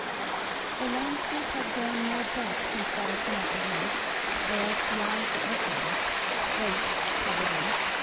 The landscape had grown more dark since Fleda came up the hill, or else the eyes that looked at it. Both probably.